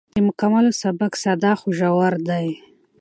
د مکالمو سبک ساده خو ژور دی.